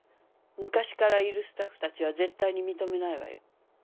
昔からいるスタッフたちは絶対に認めないわよ。